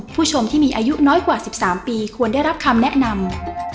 ผู้ชมที่มีอายุน้อยกว่า๑๓ปีควรได้รับคำแนะนำ